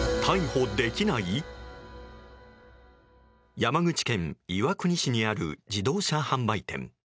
山口県岩国市にある自動車販売店。